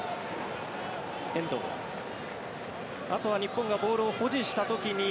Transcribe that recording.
あとは日本がボールを保持した時に